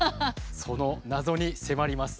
その謎に迫ります。